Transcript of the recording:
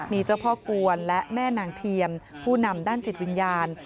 มีเจ้าพ่อกวนและแม่นางเทียมผู้นำด้านจิตวิญญาณ